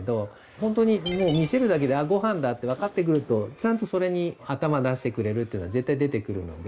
ほんとにもう見せるだけで「あっご飯だ」って分かってくるとちゃんとそれに頭出してくれるっていうのは絶対出てくるので。